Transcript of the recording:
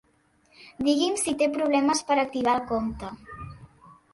Digui'm si té problemes per activar el compte.